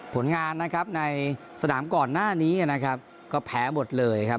ผลงานนะครับในสนามก่อนหน้านี้นะครับก็แพ้หมดเลยครับ